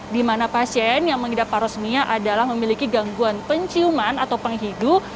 di mana pasien yang mengidap parosmia adalah memiliki gangguan penciuman atau penghidup